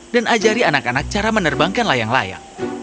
dan ajari anak anak cara menerbangkan layang layang